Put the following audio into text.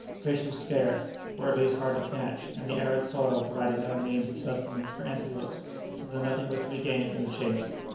Fish was scarce, or at least hard to catch, and the arid soil provided no means of sustenance for antelopes, so that nothing was to be gained from the chase.